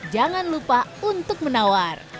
jangan lupa untuk menawar